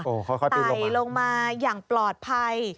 โอ้โฮค่อยปีนลงมาไตลงมาอย่างปลอดภัย